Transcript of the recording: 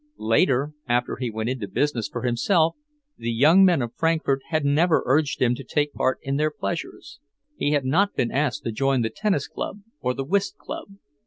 Later after he went into business for himself, the young men of Frankfort had never urged him to take part in their pleasures. He had not been asked to join the tennis club or the whist club.